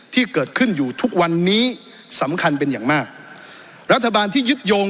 ที่เกิดขึ้นอยู่ทุกวันนี้สำคัญเป็นอย่างมากรัฐบาลที่ยึดโยง